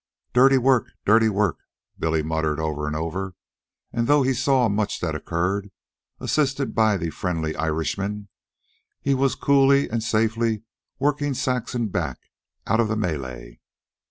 "Dirty work, dirty work," Billy muttered over and over; and, though he saw much that occurred, assisted by the friendly Irishman he was coolly and safely working Saxon back out of the melee.